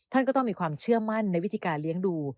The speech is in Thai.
ท่านก็ต้องมีความเชื่อมั่นในวิธีการเลี้ยงดู